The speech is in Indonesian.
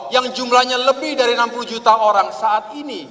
yang jumlahnya lebih dari enam puluh juta orang saat ini